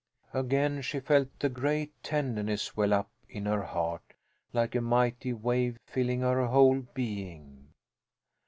Again she felt the great tenderness well up in her heart like a mighty wave filling her whole being.